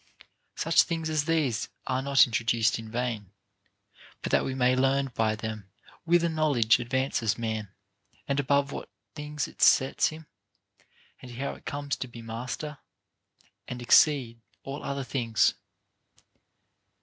Such things as these are not introduced in vain, but that we may learn by them whither knowledge advances man, and above what things it sets him, and how he comes to be master, and exceed all other things.